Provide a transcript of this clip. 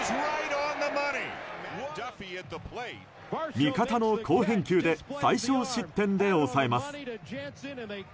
味方の好返球で最少失点で抑えます。